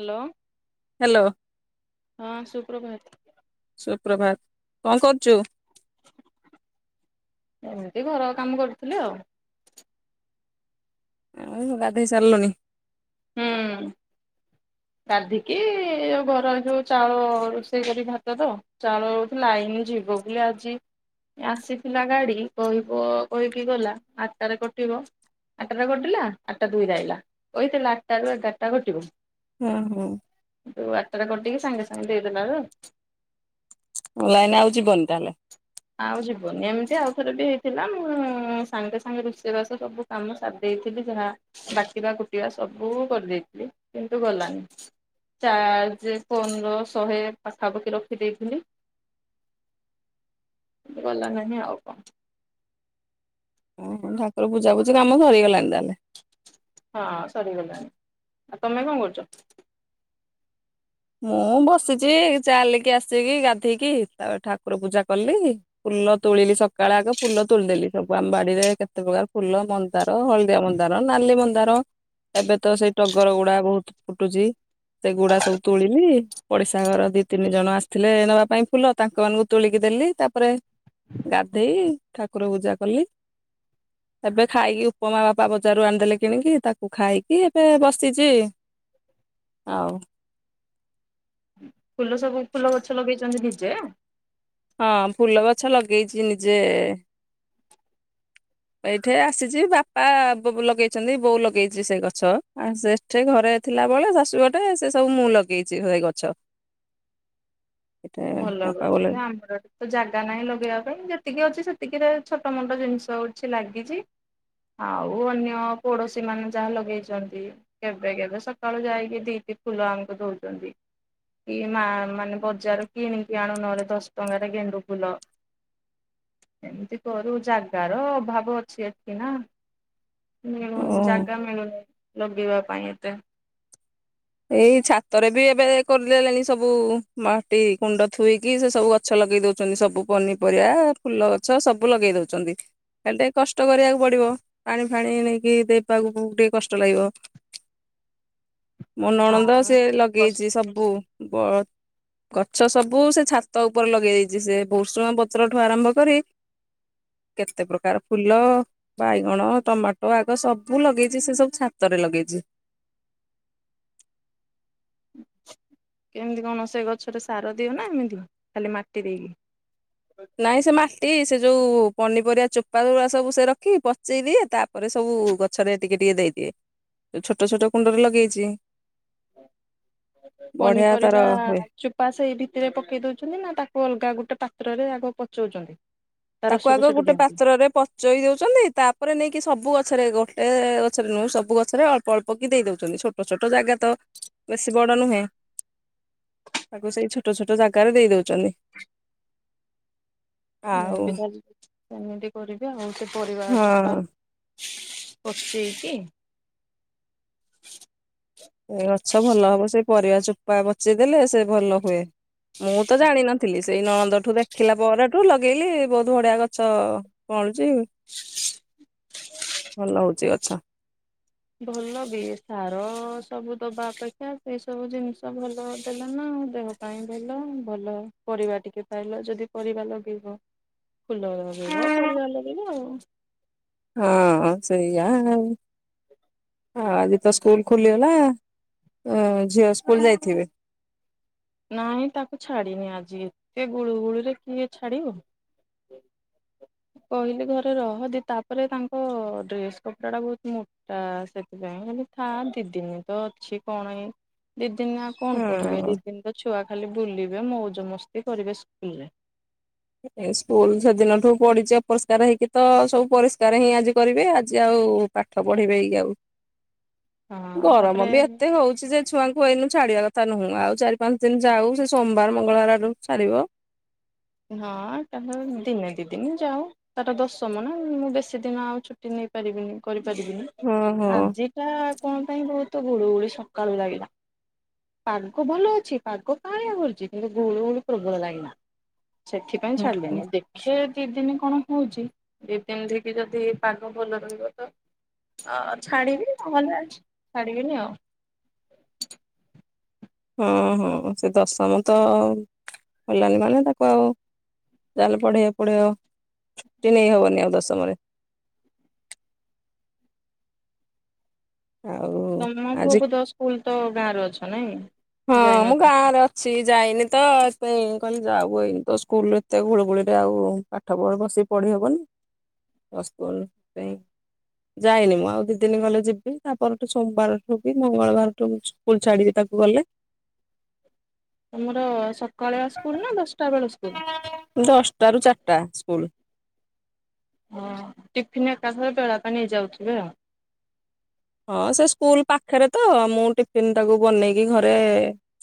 Hello. Hello ସୁପ୍ରଭାତ ସୁପ୍ରଭାତ। କଣ କରୁଛୁ। ଏମିତି ଘର କାମ କରୁଥୁଲି ଆଉ। ଆଉ ଗାଧୋଇ ସାରିଲୁଣିି? ହୁଁ ଗାଧିକିଉ ଘର ଯୋଉ ଚାଉଳ ରୋଷେଇ କରି ଭାତ ତ ଚାଉଳ ହଉଚି ଲାଇନ ଯିବ ବୋଲି ଆଜି ଆସିଥିଲା ଗାଡି କହିବ କହିକି ଗଲା ଆଠଟାରେ କଟିବ ଆଠଟାରେ କଟିଲା ଆଠଟା ଦୁଇ ଆଇଲା କହିଥିଲା। ଆଠ ଟା ରୁ ଏଗାରଟା ଘଟିବ। ହୁଁ ହୁଁ। ତୁ ଆଠଟା କଟିକି ସାଙ୍ଗେ ସାଙ୍ଗେ ଦେଇଦେଲ ଆ। ମୁଁ ଲାଇନ ଆଉ ଜିବନି ତାହେଲେ ଆଉ ଯିବନି ଏମିତି ଆଉ ଥରେ ବି ହେଇଥିଲା ମୁଁ ସାଙ୍ଗେ ସାଙ୍ଗେ ରୋଷେଇବାସ ସବୁ କାମ ସାରି ଦେଇେଇଥିଲି ଯାହା ବାଡକିବା କୁଟିବା ସବୁ କରିଦେଇଥିଲି କିନ୍ତୁ ଗଲାନି ଚାର୍ଜ ପନ୍ଦର ଶହେ ପାଖାପାଖି ରଖିଦେଇଥିଲି। ଗଲା ନ ଆଉ କଣ। ଠାର ବୁଝା ବୁଝି କାମ ସରିଗଲାଣି ତାହେଲେ ହଁ ସରିଗଲାଣି ଆଉ ତମେ କଣ କରୁଛ? ମୁଁ ବସିଛି ଚାଲିକି ଆସିକି ଗାଧେଇକି ତାପରେ ଠାକୁର ପୂଜା କଲି ଫୁଲ ତୋଳିଲି ସକାଳେ ଆଗ ଫୁଲ ତୋଳିଦେଲି ସବୁ ଆମ ବାଡିରେ କେତେ ପ୍ରକାର ଫୁଲ ମନ୍ଦାର ହଳଦିଆ ମନ୍ଦାର ନାଲି ମନ୍ଦାର ଏବେ ତ ସେଇ ଟଗର ଗୁଡା ବହୁତ ଫୁଟୁଛି ସେଗୁଡା ସବୁ ତୋଳିଲି ପଡ଼ିଶା ଘର ଦିଇ ତିନି ଜଣ ଆସିଥିଲେ ନେବା ପାଇଁ ଫୁଲ ତାଙ୍କ ମାନଙ୍କୁ ତୋଳିକି ଦେଲି ତାପରେ ଗାଧେଇ ଠାକୁର ପୂଜା କଲି ଏବେ ଖାଇକି ଉପମା ବାପା ବଜାରରୁ ଆଣିଦେଲେ କିଣିକି ତାକୁ ଖାଇକି ଏବେ ବସିଛି ଆଉ। ହଁ। ଫୁଲ ସବୁ ଫୁଲ ଗଛ ଲଗେଇ ଚନ୍ଦ ନିଜେ ହଁ ଫୁଲ ଗଛ ଲଗେଇଛି ନିଜେ ଏଇଠି ଆସିଛି ବାପା ଲଗେଇଛନ୍ତି ବୋଉ ଲଗେଇଛି ସେ ଗଛ ସେଠି ଘରେ ଥିଲା ବଳେ ଶାଶୁ ଗଟେ ସେ ସବୁ ମୁଁ ଲଗେଇଛି ସେଇ ଗଛ ଏଟା ଭଲ ବାପା ବନ କରିଛନ୍ତି ଆମର ଏଠି ତ ଜାଗା ନାହିଁ ଲଗେଇବା ପାଇଁ ଯେତିକି ଅଛି ସେତିକିରେ ଛୋଟ ମୋଟ ଜିନିଷ ଅଛି ଲାଗିଛି ଆଉ ଅନ୍ୟ ପଡ଼ୋଶୀ ମାନେ ଯାହା ଲଗେଇଛନ୍ତି କେବେ କେବେ ସକାଳୁ ଯାଇକି ଦୁଇଟି ଫୁଲ ଆମକୁ ଦଉଛନ୍ତି କି ମା ମାନେ ବଜାର କିଣିକି ଆଣୁ ନହେଲେ ଦଶ ଟଙ୍କାରେ ଗେଣ୍ଡୁ ଫୁଲ ଏମିତି କରୁ ଜାଗାର ଅଭାବ ଅଛି ଏଠି ନା ମିଳୁନିଁ ଓ ଜାଗା ମିଳୁନି ଲଗିବା ପାଇଁ ଏତେ ଏଇ ଛାତରେ ବି ଏବେ କରିଦେଲେଣି ସବୁ ମାଟି କୁଣ୍ଡ ଥୋଇକି ସେ ସବୁ ଗଛ ଲଗେଇ ଦଉଛନ୍ତି ସବୁ ପନିପରିବା ଫୁଲ ଗଛ ସବୁ ଲଗେଇ ଦଉଛନ୍ତି ଖ ଟିକେ କଷ୍ଟ କରିବାକୁ ପଡିବ ପାଣି ଫାଣି ନେଇକି ଦେବାକୁ ଟିକେ କଷ୍ଟ ଲାଗିବ। ମନୋଣନ୍ଦ ସେ ହଁ। ଲଗେଇଛି ସବୁ ବ ଗଛ ସବୁ ସେ ଛାତ ଉପରେ ଲଗେଇ ଦେଇଛି ସେ ଭଷୁଣ ପତ୍ରଠୁ ଆରମ୍ଭ କରି କେତେ ପ୍ରକାର ଫୁଲ ବାଇଗଣ ଟମାଟୋ ଆଗ ସବୁ ଲଗେଇଛି ସେ ସବୁ ଛାତରେ ଲଗେଇଛି। କେମିତି କଣ ସେ ଗଛରେ ସାର ଦିଅ ନା ଏମିତି ଖାଲି ମାଟି ଦେଇକି ନାଇଁ ସେ ମା ଇ ସେ ଯୋଉ ପନିପରିବା ଚୋପା ଗୁରା ସବୁ ସେ ରଖି ପଚେଇ ଦିଏ ତାପରେ ସବୁ ଗଛରେ ଟିକେ ଟିକେ ଦେଇଦିଏ ଯୋଉ ଛୋଟ ଛୋଟ କୁଣ୍ଡରେ ଲଗେଇଛି ବଢିଆ ତାର ପନିପରିବା ହୁଏ ଚୋପା ସେଇ ଭିତରେ ପକେଇ ଦଉଛନ୍ତି ନା ତାକୁ ଅଲଗା ଗୋଟେ ପା ତ୍ରରେ ଆଗ ପଚଉଛନ୍ତି? ତା ତାକୁ ରସକୁ ଆଗ ସେଠି ଗୋଟେ ଦିଅନ୍ତି ପାତ୍ରରେ ପଚେଇ ଦଉଛନ୍ତି ତାପରେ ନେଇକି ସବୁ ଗଛରେ ଗୋ ଏ ଗଛରେ ନୁହେଁ ସବୁ ଗଛରେ ଅଳ୍ପ ଅଳ୍ପ କି ଦେଇ ଦଉଛନ୍ତି ଛୋଟ ଛୋଟ ଜାଗା ତ ବେଶୀ ବଡ ନୁହେଁ ତାକୁ ସେଇ ଛୋଟ ଛୋଟ ଜାଗାରେ ଦେଇ ଦଉଛନ୍ତି। ମୁଁ ଆଉ ବି ସେମିତି କରିବେ ଆଉ ସେ ପ ପରିବା ଚୋପା ହଁ ପଚେଇକି ଏ ଗଛ ଭଲ ହବ ସେ ପରିବା ଚୋପା ପଚେଇ ଦେେଲେ ସେ ଭଲ ହୁଏ। ମୁଁ ତ ଜାଣିନଥିଲି ସେଇ ନଣନ୍ଦଠୁ ଦେଖିଲା ପରେଠୁ ଲଗେଇଲି ବହୁତ ବଢିଆ ଗଛ କଁଅଳୁଚି ଭଲ ହଉଛି ଗଛ। ଭଲ ବି ସାର ସବୁ ଦବା ଅପେକ୍ଷା ସେଇ ସବୁ ଜିନିଷ ଭଲ ଦେଲ ନା ଆଉ ଦେହ ପାଇଁ ଭଲ ଭଲ ପରିବା ଟିକେ ପାଇଲ ଯଦି ପରିବା ଲଗେଇବ ଫୁଲ ଲଗେଇବ ପରିବା ଲଗେଇବ ଆଉ। ହଁ ସେଇଆ ଆଉ। ଆଉ ଆଜି ତ ସ୍କୁଲ ଖୁଲିଗଲା, ଅ ଝିଅ ସ୍କୁଲ ଯାଇଥିବେ! ନାଇଁ ତାକୁ ଛାଡିନି ଆଜି ଏତେ ଗୁଳୁଗୁଳିରେ କିଏ ଛାଡିବ କହିଲି ଘରେ ରହଦେ ତାପରେ ତାଙ୍କ ଡ୍ରେସ କପଡା ଟା ବହୁତ ମୋଟା ସେଥିପାଇଁ କହିଲି ଥା ଦିଦିନି ତ ଅଛି କଣ ଏଇ ଦି ସିମା କଣ ପଢିବେ ହଁ ଦି ଛୁଆ ଖାଲି ବୁଲିବେ ମଉଜ ମସ୍ତି କରିବେ ସ୍କୁଲରେ। ଏ ସ୍କୁଲ ସେଦିନଠୁ ପଡିଚି ଅପରିଷ୍କାର ହେଇକି ତ ସବୁ ପରିଷ୍କାର ହିଁ ଆଜି କରିବେ ଆଜି ଆଉ ପାଠ ପଢିବେ କି ଆଉ। ହଁ ଗରମ ତାପରେ ବି ଏତେ ହଉଛି ଯେ ଛୁଆଙ୍କୁ ଏଇନୁ ଛାଡିବା କ ତ ନୁହଁ ଆଉ ଚାରି ପାଞ୍ଚ ଦିନ ଯାଉ ସେ ସୋମବାର ମଙ୍ଗଳବାର ଆଡକୁ ଛାଡ଼ିବ। ହଁ ତାଙ୍କର ଦିନେ ଦି ଦିନି ଯାଉ ତାର ଦଶମ ନା ମୁଁ ବେଶୀ ଦିନ ଆଉ ଛୁଟି ନେଇ ପାରିବିନି କରିି ପାରିବିନି ହଁ ହଁ ଆଜିଟା କଣ ପାଇଁ ବହୁତ ଗୁଳୁ ଗୁଳି ସକାଳୁ ଲାଗିଲା ପାଗ ଭଲ ଅଛି ପାଗ କାଆଁଳିଆ କରିଛି କିନ୍ତୁ ଗୁଳୁ ଗୁଳି ପ୍ରବଳ ଲାଗିଲା। ସେଥିପାଇଁ ହଁ ହଁ ଛାଡିଲିନି ଦେଖେ ଦି ଦିନି କଣ ହଉଛି ଦି ଦିନି ଧିକି ଯଦି ପାଗ ଭଲ ରହିବ ତ ଅ ଛାଡିବି ନହେଲେ ଅଛି ଛାଡିବିନି ଆଉ। ହଁ ହଁ ସେ ଦଶମ ତ ଆଉ ଗଲାନି ମାନେ ତାକୁ ଆଉ ଯାହାହେଲେ ପଢେଇବାକୁ ପଡ଼ିବ ଛୁଟି ନେଇ ହବନି ଆଉ ଦଶମରେ। ଆଉ ତମ ଆଜି ପୁଅକୁ ତ ସ୍କୁଲ ତ ଗାଁରେ ଅଛ ନାଇଁ? ହଁ ମୁଁ ଯାଇନଥିଲ ଗାଁ ରେ ଅଛି। ଯାଇନି ତ ସେଥିପାଇଁ କହିଲି ଯାଉ ଏଇନେ ତ ସ୍କୁଲ ଏତେ ଘୁଳଘୁଳିରେ ଆଉ ପାଠ ପଢ ବସିକି ପଢି ହବନି [unintelligible] ସେଥି ପାଇଁ ଯାଇନି ମୁଁ ଆଉ ଦିଦିନି ଗଲେ ଯିବି ତାପରଠୁ ସୋମବାରଠୁ ବି ମଙ୍ଗଳବାରଠୁ ସ୍କୁଲ ଛାଡିବି ତାକୁ ଗଲେ। ତମର ସ ସକାଳୁଆ ସ୍କୁଲ ନା ଦଶଟା ବେଳ ସ୍କୁଲ? ଟା ସ୍କୁଲ୍। ହଁ ଟିଫିନ ଏକା ଥରକେ ବେଳକ ନେଇ ଯାଉଥିବେ ଆଉ। ହଁ ସେ ସ୍କୁଲ ପାଖରେ ତ ମୁଁ ଟିଫିିନ ଟାକୁ ବନେଇକି ଘରେ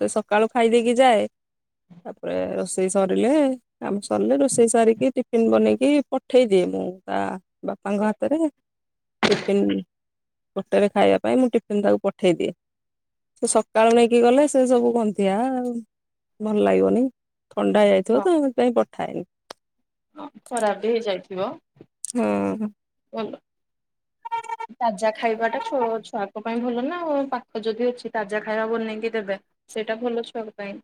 ସେ ସକାଳୁ ଖାଇ ଦେଇେଇକି ଯାଏ ତାପରେ ରୋଷେଇ ସରିଲେ କାମ ସରିଲେ ରୋଷେଇ ସାରିକି ଟିଫିିନ ବନେଇକି ପଠେଇ ଦିଏ ମୁଁ ତା ବାପାଙ୍କ ହାତରେ। ଟିଫିନ୍ ଗୋଟେରେ ଖାଇବା ପାଇଁ ମୁଁ ଟିଫିନ ଟାକୁ ପଠେଇ ଦିଏ ସେ ସକାଳୁ ନେଇକି ଗଲେ ସେ ସବୁ ଗାନ୍ଧିଆ ଆଉ ଭଲ ଲାଗେନି। ଥଣ୍ଡା ହେଇଯାଇଥିବ ହଁ ତ ମୁଁ ସେଥିପାଇଁ ଥାଏ। ହଁ ଖରାପ ବି ହେଇଯାଇଥିବ? ହୁଁ ଖାଇବା ଟା [unintelligible] ଛୁଆଙ୍କ ପାଇଁ ଭଲ ନା ଆଉ ପାଖ ଯଦି ଅଛି ତାଜା ଖାଇବା ବନେଇକି ଦେବେ ସେଇଟା ଭଲ ଛୁଆଙ୍କ ପାଇଁ।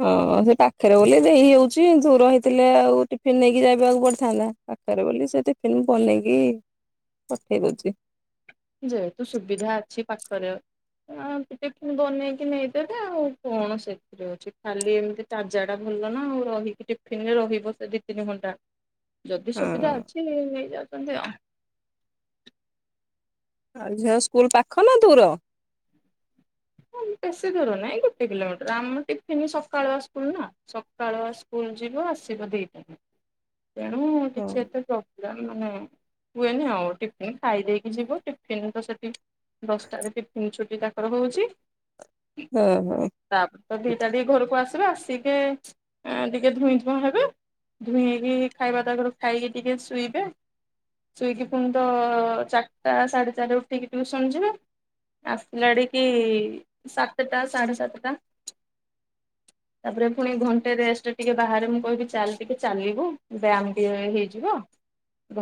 ହଁ ସେ ପାଖରେ ବୋଲି ଦେଇ ଯାଉଛି ଯୋଉ ରହିଥିଲେ ଆଉ ଟିଫିନ ନେଇକି ଯାଇବାକୁ ପଡିଥାନ୍ତା ପାଖରେ ବୋଲି ସେ ଟିଫିନ ବନେଇକି ପଠେଇ ଦଉଛି। ଯେହେତୁ ସୁବିଧା ଅଛି ପାଖରେ ଅଁବନେଇକି ନେଇଦେବେ ଆଉ କଣ ସେଥିରେ ଅଛି ଖାଲି ଏମିତି ତାଜାଟା ଭଲ ନା ଆଉ ରହିକି ଟିଫିନରେ ରହିବ ସେ ଦି ତିନି ଘଣ୍ଟା। ଯଦି ସୁବିଧା ହଁ ଅଛି ନେଇଯାଅ। [unintelligible] ଝିଅ ସ୍କୁଲ ପାଖ ନା ଦୂର? ବେଶୀ ଦୂର ନହିଁ ଗୋଟେ କିଲୋମିଟର ଆମ ଟିଫନ୍ ସକାଳୁଆ ସ୍କୁଲ ନା ସକାଳୁ ସ୍କୁଲ ଯିବ ଆସିବ ଦୁଇଟାରେ। ତେଣୁ ହଁ କିଛି ଏତେ ପ [unintelligible] ମାନେ ହୁଏନି ଆଉ ଟିଫନ୍ ଖାଇ ଦେଇେଇକି ଯିବ ଟିଫିନ ତ ସେଟି ଦଶଟାରେ [unintelligible] ଛୁ କାକର କହୁଛି। ହଁ ହଁ ତାପ ତ ଭିଟାଦ ଘରକୁ ଆସ ଆସିକେ ଟିକେ ଧୁଇଁ ଧୁଆଁ ହେବେ ଧୁଇଁ ହେଇକି ଖାଇବା ତାକରୁ ଖାଇକି ଟିକେ ଶୋଇବେ ଶୋଇକି ପୁଣି ତ ଚାରିଟା ସାଢେ ଚାରିଟା ଉଠିକି ଟିକେ ଶୁଣିଯିବେ ଆସିଲାଡିକ। ସାତଟା ସାଢ଼େ ସାତଟା ତାପରେ ପୁଣି ଘଣ୍ଟେ ରେଷ୍ଟ ଟିକେ ବାହାରେ ମୁଁ କହିବି ଚାଲ ଟିକେ ଚାଲିବୁ ବ୍ୟାୟାମ ଟିକେ ହେଇଯିବ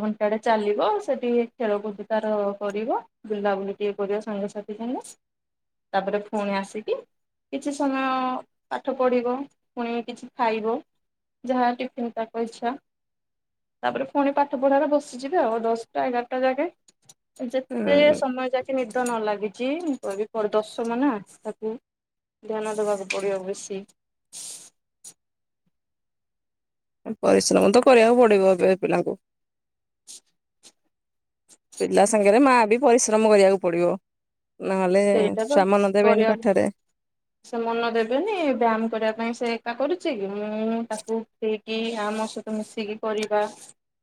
ଘଣ୍ଟାଟେ ଚାଲିବ ସେଠିକେ ଖେଳକୁଦ ତାର କରିବ ବୁଲାବୁଲି ଟିକେ କରିବ ସାଙ୍ଗସାଥି ସାଙ୍ଗେ ତାପରେ ପୁଣି ଆସିକି କିଛି ସମୟ ପାଠ ପଢ଼ିବ ପୁଣି କିଛି ଖାଇବ ଯାହା ଟିଫିନ ତାକ ଇଚ୍ଛା ତାପରେ ପୁଣି ପାଠ ପଢ଼ାରେ ବସିଯିବେ ଆଉ ଦଶଟା ଏଗାରଟା ଯାଗେ। ଯେତେ ସମୟ ଯାକି ନି ନ ଲାଗିଛି ମୁଁ କହି କରି ଦଶ ମ ତାକୁ ଧ୍ୟାନ ଦେବାକୁ ପଡିବ ବେଶୀ ପରିଶ୍ରମ ତ କରିବାକୁ ପଡିବ ଏବେ ପିଲାଙ୍କୁ ପିଲା ସାଙ୍ଗରେ ମା ପରିଶ୍ରମ କରିବାକୁ ପଡିବ। ନହେଲେ ସେଇଟା ତ ଛୁଆ ମନ ଦେବେନି କରିବା ପାଠରେ ସେ ମନ ଦେବେନି ବ୍ୟାୟାମ କରିବା ପାଇଁ ସେ ଏକା କରି ମୁଁ ତାକୁ ସେ କି ଆମୋ ସହିତ ମିଶିକି କରିବା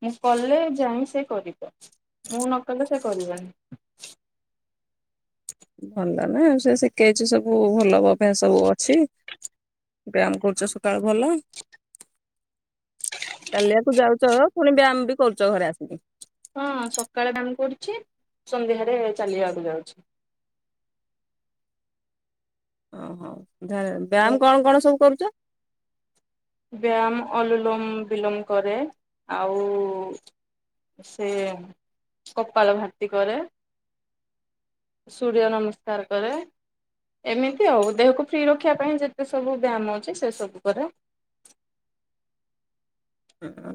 ମୁଁ କଲେ ଯାଇ ସେ କରିବ ମୁଁ ନ କଲେ ସେ କରିବନି। ଭଲ ନା ସେ ଶିଖେଇଛି ସବୁ ଭଲ ବା ପାଇଁ ସବୁ ଅଛି ବ୍ୟାୟାମ କରୁଛ ସକାଳୁ ଭଲ ଚାଲିବାକୁ ଯାଉଛ ପୁଣି ବ୍ୟାୟାମ ବି କରୁଛ ଘରେ ଆସିକି ହଁ ସକାଳେ କାମ କରୁଛି ସନ୍ଧ୍ୟାରେ ଚାଲିବାକୁ ଯାଉଛି। ଓ ହୋ। ଧ ମୁଁ ବ୍ୟାୟାମ କଣ କଣ ସବୁ କରୁଛ। ବ୍ୟାୟାମ ଅନଲୁଲୋମ ବିଲୋମ କରେ ଆଉ ସେ କପାଳ ଭାତି କରେ ସୂର୍ଯ୍ୟ ନମସ୍କାର କରେ ଏମିତି ଆଉ ଦେହକୁ ଫ୍ରି ରଖିବା ପାଇଁ ଯେତେ ସବୁ ବ୍ୟାୟାମ ଅଉଛି ସେ ସବୁ କରେ।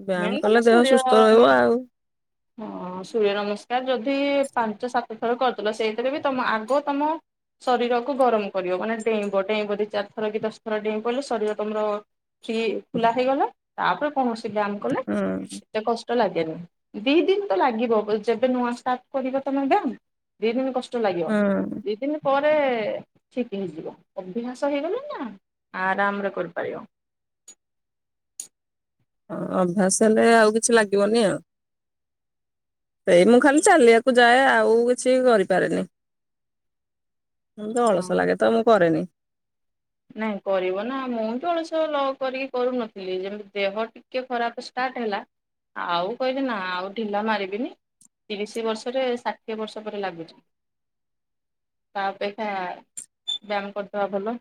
ବ୍ୟାୟାମ ମନ କଲେ ତମ ଦେହ ସୂର୍ଯ୍ୟ ସୁସ୍ଥ ରହିବ ଆଉ [inaudible] ହଁ ସୂର୍ଯ୍ୟ ନମସ୍କାର ଯଦି ପାଞ୍ଚ ସାତ ଥର କରିଦେ ସେଇଥିରେ ବି ତମ ଆଗ ତମ ଶରୀରକୁ ଗରମ କରିବ ମାନେ ଡେଇଁବ ଡେଇଁବ ଦି ଚାରି ଥର କି ଦଶ ଥର ଡେଇଁ ପିଲଲେ ଶରୀର ତମର ଫୀ ଖୋଲା ହେଇଗଲା। ତାପରେ ପଣ [unintelligible] କ ହୁଁ ଏତେ କଷ୍ଟ ଲାଗେ। ଦି ଦିନ ତ ଲାଗିବ ଯେବେ ନୂଆ ଷ୍ଟାର୍ଟ କରିବ ତମେ ଦି ଦିନ କ ଲାଗିବ ହୁଁ ଦି ଦିନ ପରେ ଠିକ ହେଇଯିବ ଅଭ୍ୟାସ ହେଇଗଲେ ନା ଆରାମରେ କରିପାରିବ। [inaudible] ହଁ ଅଭ୍ୟାସ ହେଲେ ଆଉ କିଛି ଲାଗିବନି ଆଉ। [inaudible] ସେଇ ମୁଁ ଖାଲି ଚାଲିବାକୁ ଯାଏ। ଆଉ କିଛି କରିପାରେନି। ମୁଁ ତ ଅଳସ ହଁ। ଲାଗେ ତ ମୁଁ କରେନି। ନାଇଁ କରିବ ନା ମୁଁ ତ ଅଳସ ଲ କରିକି କରୁନଥିଲି। ଯେମିତି ଦେହ ଟିକେ ଖରାପ ଷ୍ଟାର୍ଟ ହେଲା ଆଉ କହିବି ନା ଆଉ ଢିଲା ମାରିବିନି ତିରିଶ ବର୍ଷରେ ଷାଠିଏ ବର୍ଷ ପରେ ଲାଗୁଛି। [inaudible] ତା ଅପେକ୍ଷା ବ୍ୟାୟାମ କରିଦବା ଭଲ।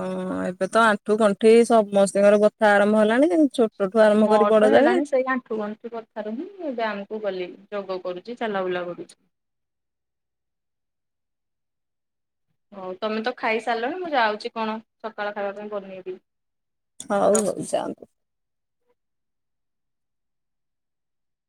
ଓଁ ଏବେ ତ ଆଣ୍ଠୁ ଗଣ୍ଠି ସମସ୍ତଙ୍କର ବଥା ଆରମ୍ଭ ହେଲାଣି ଯେ ଛୋଟ ମୋର ତ ହେଲାଣି ସେଇ ଆଣ୍ଠୁ ଗଣ୍ଠି କଥାରୁ ହିଁ ବ୍ୟାୟାମ କୁ ଗଲିଣି। ଯୋଗ କରୁଛି ଚାଲାବୁଲା କରୁଛି। [inaudible] ହଉ ତମେ ତ ଖାଇ ସାରିଲଣି ମୁଁ ଯାଉଛି କଣ ସକାଳ ଖାଇବା ପାଇଁ ବନେଇବି। ହଉ ହଉ ରଖୁଛି। ଜାଆନ୍ତୁ । [inaudible]